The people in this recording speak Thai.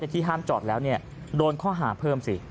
ที่ห้ามจอดแล้วโดนข้อหาเพิ่มสิ